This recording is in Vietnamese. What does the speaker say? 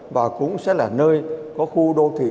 và cũng sẽ là nơi có khu đô thị